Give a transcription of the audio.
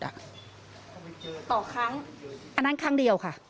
ต่อครั้งอันนั้นครั้งเดียวค่ะ